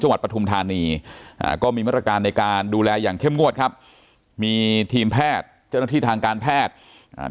ปฐุมธานีอ่าก็มีมาตรการในการดูแลอย่างเข้มงวดครับมีทีมแพทย์เจ้าหน้าที่ทางการแพทย์อ่า